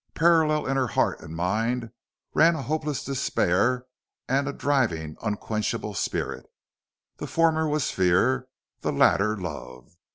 Parallel in her heart and mind ran a hopeless despair and a driving, unquenchable spirit. The former was fear, the latter love.